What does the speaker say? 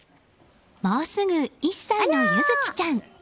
もうすぐ１歳の柚希ちゃん。